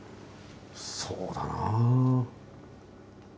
そうだな。